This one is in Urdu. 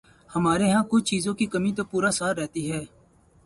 ہمارے ہاں کچھ چیزوں کی کمی تو پورا سال رہتی ہے۔